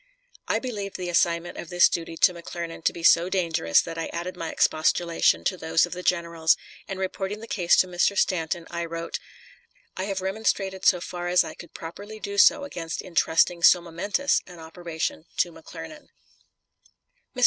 I believed the assignment of this duty to McClernand to be so dangerous that I added my expostulation to those of the generals, and in reporting the case to Mr. Stanton I wrote: "I have remonstrated so far as I could properly do so against intrusting so momentous an operation to McClernand." Mr.